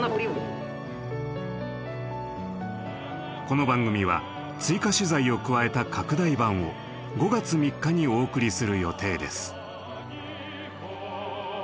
この番組は追加取材を加えた拡大版を５月３日にお送りする予定です。